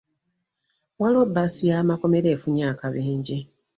Waliwo bbaasi y'amakomera eyafunye akabenje.